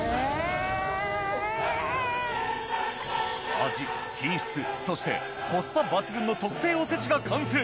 味品質そしてコスパ抜群の特選おせちが完成。